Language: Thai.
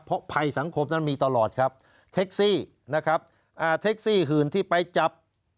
เพราะภัยสังคมนั้นมีตลอดครับแท็กซี่นะครับเท็กซี่หื่นที่ไปจับ